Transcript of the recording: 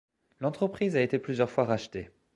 L’entreprise a été plusieurs fois rachetée.